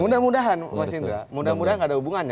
mudah mudahan pak sindra mudah mudahan nggak ada hubungannya